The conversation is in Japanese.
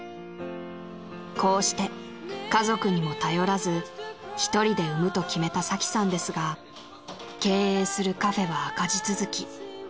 ［こうして家族にも頼らずひとりで産むと決めたサキさんですが経営するカフェは赤字続き］